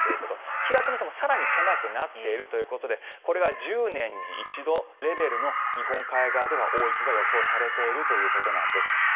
気圧の線も更に狭くなっているということでこれが１０年に一度レベルの日本海側では大雪が予想されているということなんです。